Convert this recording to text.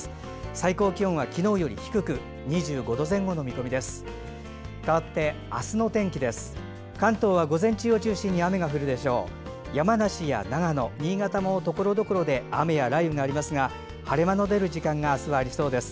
最高気温は昨日より低く２５度前後の見込みです。